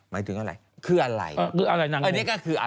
หมายถึงอะไรอันนี้ก็คือ